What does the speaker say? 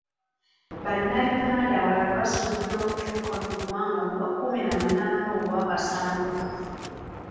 Bannayuganda abalala basuubirwa okutuuka mu ggwanga nga kkumi na munaana ogwa Kasambula.